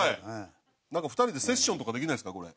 なんか２人でセッションとかできないですか？